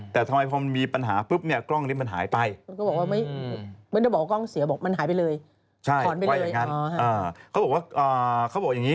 แต่ทำไมพอมันมีปัญหาปุ๊บ